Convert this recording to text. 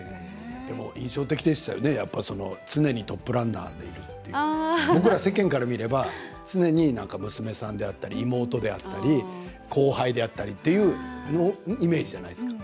でも印象的でした常にトップランナーているというのも僕ら世間から見れば常に娘さんだったり妹、後輩だったりというイメージじゃないですか。